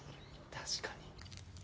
確かに。